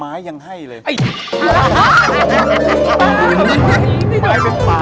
ไม้ยังให้เลย